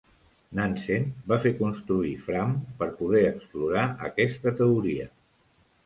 Nansen va fer construir Fram per poder explorar aquesta teoria.